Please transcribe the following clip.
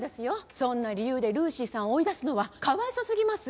そんな理由でルーシーさんを追い出すのはかわいそうすぎます。